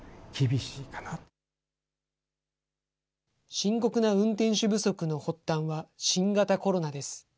深刻な運転手不足の発端は新型コロナです。